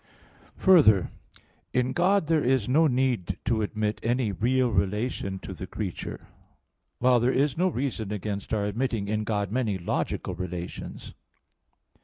Further, in God there is no need to admit any real relation to the creature (Q. 28, A. 1, 3); while there is no reason against our admitting in God, many logical relations.